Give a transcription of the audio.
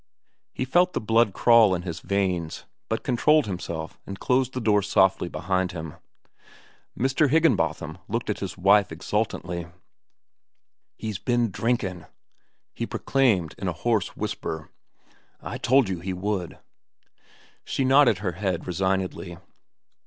He felt the blood crawl in his veins, but controlled himself and closed the door softly behind him. Mr. Higginbotham looked at his wife exultantly. "He's ben drinkin'," he proclaimed in a hoarse whisper. "I told you he would." She nodded her head resignedly.